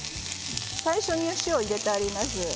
最初にお塩を入れてあります。